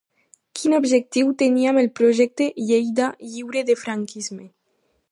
Quin objectiu tenia amb el projecte "Lleida, lliure de franquisme"?